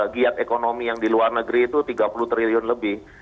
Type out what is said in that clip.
giat ekonomi yang di luar negeri itu tiga puluh triliun lebih